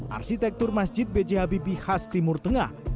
arsitektur masjid bj habibie khas timur tengah